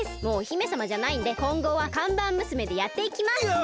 もうお姫さまじゃないんでこんごは看板娘でやっていきます！